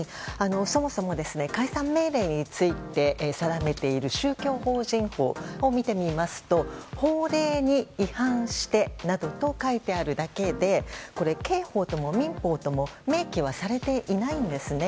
そもそも、解散命令について定めている宗教法人法を見てみますと法令に違反してなどと書いてあるだけで刑法とも民法とも明記はされていないんですね。